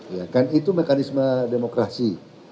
ya kan itu mekanisme demokrasi